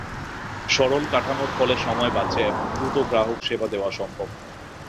সরল কাঠামোর ফলে সময় বাঁচে এবং দ্রুত গ্রাহক সেবা দেওয়া সম্ভব হয়।